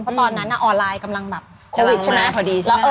เพราะตอนนั้นออนไลน์กำลังแบบโควิดใช่ไหม